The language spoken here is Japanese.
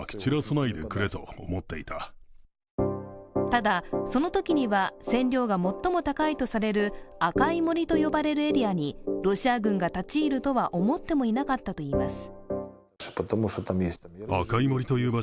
ただ、そのときには線量が最も高いとされる赤い森と呼ばれるエリアにロシア軍が立ち入るとは思ってもいなかったといいます。